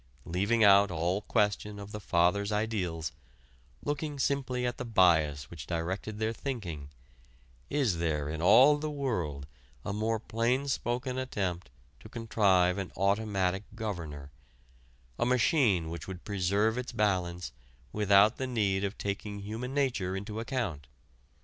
Leaving out all question of the Fathers' ideals, looking simply at the bias which directed their thinking, is there in all the world a more plain spoken attempt to contrive an automatic governor a machine which would preserve its balance without the need of taking human nature into account?